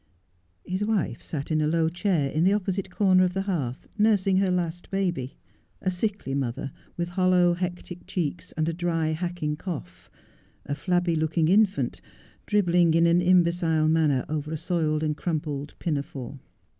His wife sat in a low chair in the opposite corner of the hearth nursing her last baby. A sickly mother with hollow, hectic cheeks and a dry, hacking cough ; a flabby looking infant, dribbling in an imbecile manner over a soiled and crumpled pinafore.